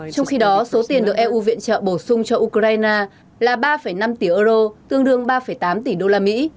trong khi đó số tiền được eu viện trợ bổ sung cho ukraine là ba năm tỷ euro tương đương ba tám tỷ đô la mỹ